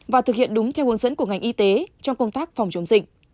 và thực hiện đúng theo hướng dẫn của ngành y tế trong công tác phòng chống dịch